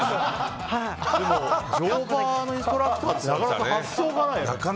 でも、乗馬インストラクターのなかなか発想がないな。